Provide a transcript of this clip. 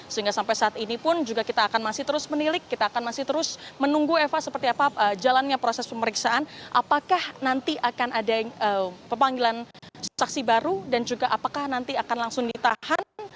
sehingga sampai saat ini pun juga kita akan masih terus menilik kita akan masih terus menunggu eva seperti apa jalannya proses pemeriksaan apakah nanti akan ada pemanggilan saksi baru dan juga apakah nanti akan langsung ditahan